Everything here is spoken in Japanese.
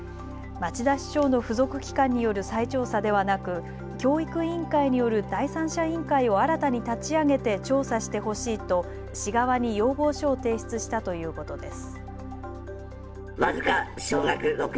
町田市長の付属機関による再調査ではなく教育委員会による第三者委員会を新たに立ち上げて調査してほしいと市側に要望書を提出したということです。